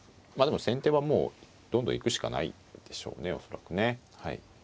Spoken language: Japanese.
まあでも先手はもうどんどん行くしかないでしょうね恐らくね。